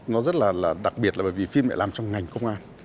nó rất là đặc biệt là bởi vì phim lại làm trong ngành công an